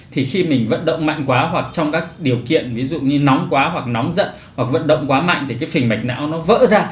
thì khi mình vận động mạnh quá hoặc trong các điều kiện ví dụ như nóng quá hoặc nóng giận hoặc vận động quá mạnh thì cái phình mạch não nó vỡ ra